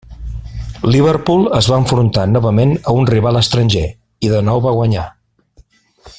Liverpool es va enfrontar novament a un rival estranger, i de nou va guanyar.